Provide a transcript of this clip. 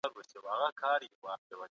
آیا کتابتون څېړنه تر ډګر څېړني اسانه ده؟